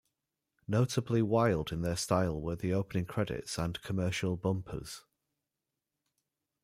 Notably wild in their style were the opening credits and commercial bumpers.